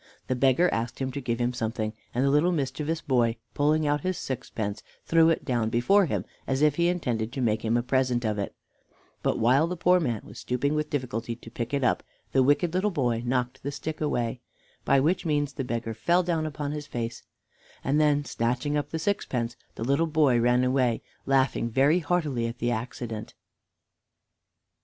The beggar asked him to give him something, and the mischievous little boy, pulling out his sixpence, threw it down before him, as if he intended to make him a present of it; but while the poor man was stooping with difficulty to pick it up, the wicked little boy knocked the stick away, by which means the beggar fell down upon his face; and then snatching up the sixpence, the little boy ran away laughing very heartily at the accident.